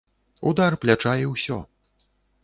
Удар пляча і ўсё.